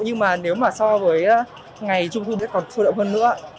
nhưng mà nếu mà so với ngày trung thu thì còn sôi đậu hơn nữa